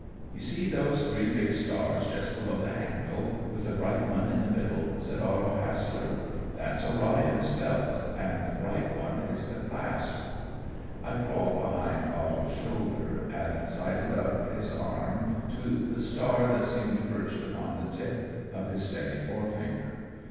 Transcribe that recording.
"You see those three big stars just below the handle, with the bright one in the middle?" said Otto Hassler; "that's Orion's belt, and the bright one is the clasp." I crawled behind Otto's shoulder and sighted up his arm to the star that seemed perched upon the tip of his steady forefinger.